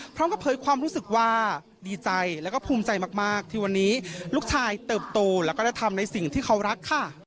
พร้อมกับเผยความรู้สึกว่าดีใจแล้วก็ภูมิใจมากที่วันนี้ลูกชายเติบโตแล้วก็ได้ทำในสิ่งที่เขารักค่ะ